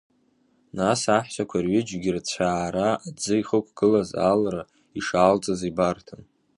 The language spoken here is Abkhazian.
Нас аҳәсақәа рҩыџьегь рцәаара аӡы ихықәгылаз алра ишаалҵыз ибарҭан.